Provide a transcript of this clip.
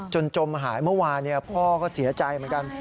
จมหายเมื่อวานพ่อก็เสียใจเหมือนกัน